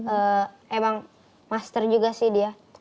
emang master juga sih dia